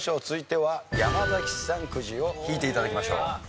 続いては山崎さんくじを引いて頂きましょう。